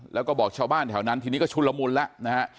แล้วก็บอกชาวบ้านแถวนั้นทีนี้ก็ชุนละมุนแล้วนะฮะ